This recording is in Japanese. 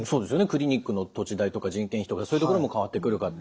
クリニックの土地代とか人件費とかそういうところも変わってくるかと。